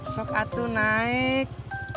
sok atuh naik